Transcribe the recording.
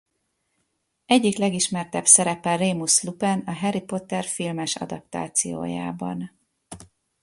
Egyik legismertebb szerepe Remus Lupin a Harry Potter filmes adaptációjában.